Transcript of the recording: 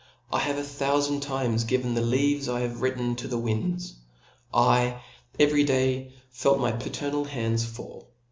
I have a thbufand tinics given the leaves Ihavc written, to the * winds : 1 every day felt my paternal hands fall f